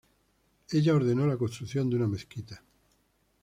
Ella ordenado la construcción de una mezquita.